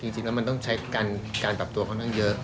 จริงแล้วมันต้องใช้การปรับตัวค่อนข้างเยอะ